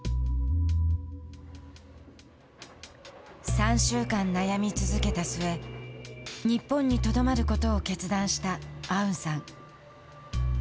３週間悩み続けた末日本にとどまることを決断したアウンさん。